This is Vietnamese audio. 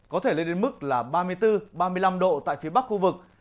có thể lên đến mức là ba mươi bốn ba mươi năm độ tại phía bắc khu vực